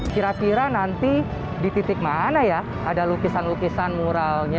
kira kira nanti di titik mana ya ada lukisan lukisan muralnya